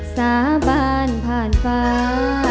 สาบานผ่านฟ้า